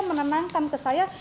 menenangkan ke saya